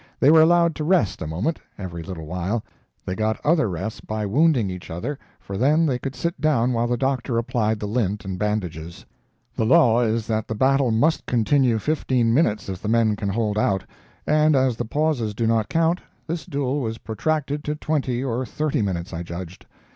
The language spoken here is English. They were allowed to rest a moment, every little while; they got other rests by wounding each other, for then they could sit down while the doctor applied the lint and bandages. The law is that the battle must continue fifteen minutes if the men can hold out; and as the pauses do not count, this duel was protracted to twenty or thirty minutes, I judged.